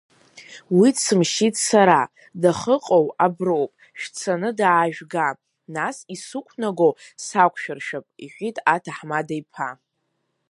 Уи дсымшьит сара, дахыҟоу аброуп, шәцаны даажәга, нас исықәнагоу сақәшәыршәап, иҳәит аҭаҳмада иԥа.